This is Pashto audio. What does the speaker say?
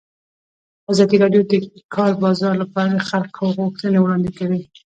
ازادي راډیو د د کار بازار لپاره د خلکو غوښتنې وړاندې کړي.